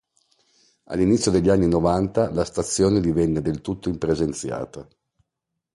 All'inizio degli anni novanta la stazione divenne del tutto impresenziata.